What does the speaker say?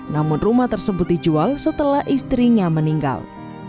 namun rumah tersebut dijual setelah istrinya meninggal